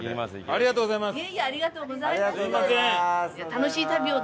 ありがとうございます。